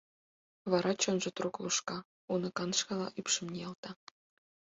Вара чонжо трук лушка, уныкан шала ӱпшым ниялта.